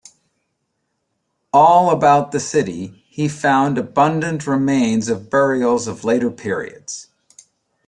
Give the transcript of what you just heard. All about the city he found abundant remains of burials of later periods.